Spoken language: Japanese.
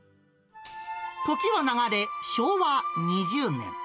時は流れ、昭和２０年。